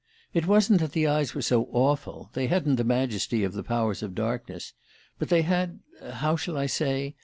It wasn't that the eyes were so awful; they hadn't the majesty of the powers of darkness. But they had how shall I say?